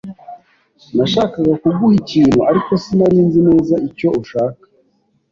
Nashakaga kuguha ikintu, ariko sinari nzi neza icyo ushaka.